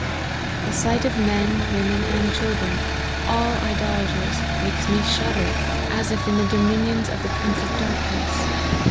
The sight of men, women, and children , all idolaters, makes me shudder, as if in the do minions of the prince of darkness.